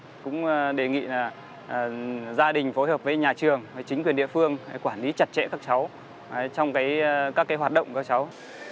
cơ quan cũng đề nghị gia đình phối hợp với nhà trường chính quyền địa phương quản lý chặt chẽ các cháu trong các hoạt động của các cháu